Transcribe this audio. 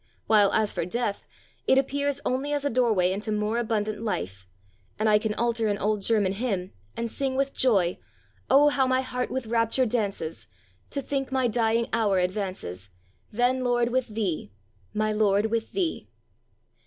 While as for death, it appears only as a doorway into more abundant life, and I can alter an old German hymn, and sing with joy: "'Oh, how my heart with rapture dances. To think my dying hour advances! Then, Lord, with Thee! My Lord, with Thee!'"